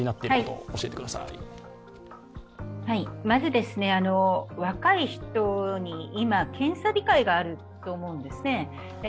まず若い人に今、検査控えがあると思うんですね。